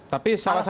tapi salah satu